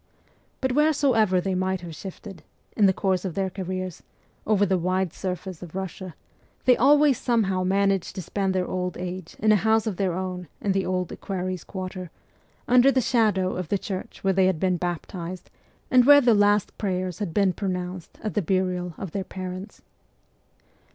But wheresoever they might have been shifted, in the course of their careers, over the wide surface of Russia, they always somehow managed to spend their old age in a house of their own in the Old Equerries' Quarter, under the shadow of the church where they had been baptized, and where the last prayers had been pronounced at the burial of their parents.